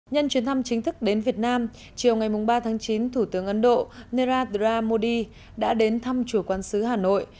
nhân chuyến thăm chính thức đến việt nam chiều ngày ba tháng chín thủ tướng ấn độ nera dramodi đã đến thăm chùa quán sứ hà nội